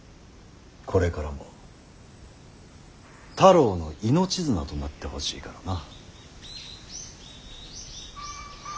これからも太郎の命綱となってほしいからな。